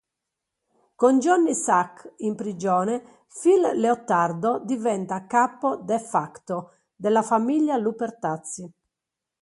Con Johnny Sack in prigione, Phil Leotardo diventa capo "de facto" della famiglia Lupertazzi.